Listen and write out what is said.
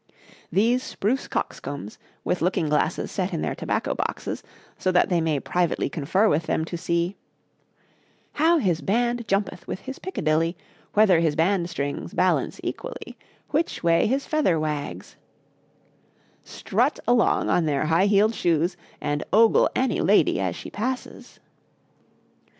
These spruce coxcombs, with looking glasses set in their tobacco boxes, so that they may privately confer with them to see 'How his band jumpeth with his piccadilly, Whether his band strings balence equally, Which way his feather wags,' strut along on their high heeled shoes, and ogle any lady as she passes.